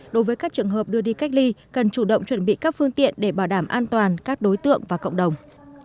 đối với các trường hợp đưa đi cách ly cần chủ động chuẩn bị các phương tiện để bảo đảm an toàn các đối tượng và cộng đồng